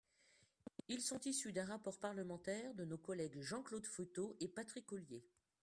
Ils sont issus d’un rapport parlementaire de nos collègues Jean-Claude Fruteau et Patrick Ollier.